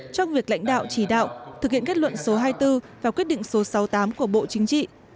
trong việc lãnh đạo chỉ đạo thực hiện kết luận số hai mươi bốn và quyết định số sáu mươi tám của bộ chính trị